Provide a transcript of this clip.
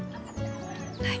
はい。